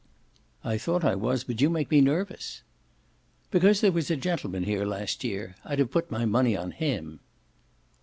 "I thought I was, but you make me nervous." "Because there was a gentleman here last year I'd have put my money on HIM."